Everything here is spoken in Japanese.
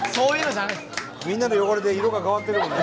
みんなの汚れで色が変わってるもんね。